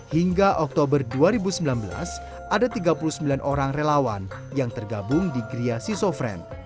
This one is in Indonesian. hingga oktober dua ribu sembilan belas ada tiga puluh sembilan orang relawan yang tergabung di gria sisofren